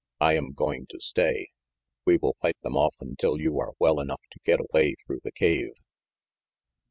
I am going to stay. We will fight them off until you are well enough to get away through the cave."